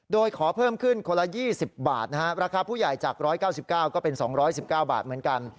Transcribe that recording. โดยขอเพิ่มขึ้นคนละ๒๐บาทนะฮะราคาผู้ใหญ่จาก๑๙๙ก็เป็น๒๑๙บาทเหมือนกัน